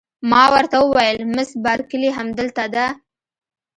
ما ورته وویل: مس بارکلي همدلته ده؟